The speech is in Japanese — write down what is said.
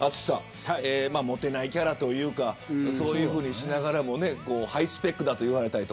もてないキャラというかそういうふうにしながらもハイスペックだと言われたり。